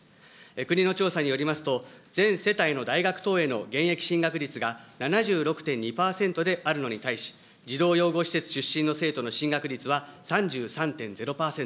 国の調査によりますと、全世帯の大学等への現役進学率が７６．２％であるのに対し、児童養護施設出身の生徒の進学率は３３．０％。